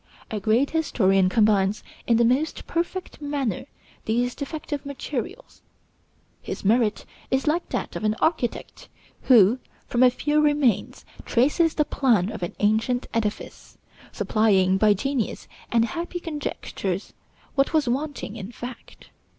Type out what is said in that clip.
A great historian combines in the most perfect manner these defective materials. His merit is like that of an architect, who, from a few remains, traces the plan of an ancient edifice; supplying, by genius and happy conjectures, what was wanting in fact.